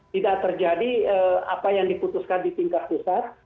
tidak terjadi apa yang diputuskan di tingkat pusat